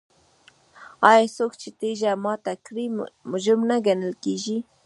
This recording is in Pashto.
آیا څوک چې تیږه ماته کړي مجرم نه ګڼل کیږي؟